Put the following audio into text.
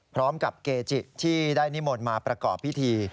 เกจิที่ได้นิมนต์มาประกอบพิธี